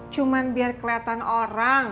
cuman biar kelihatan orang